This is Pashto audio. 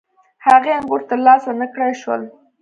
هغې انګور ترلاسه نه کړای شول.